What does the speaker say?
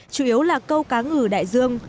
chủ yếu là câu cá ngử đại dương